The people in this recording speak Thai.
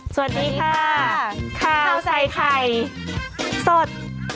สวัสดีค่ะข้าวใส่ไข่สด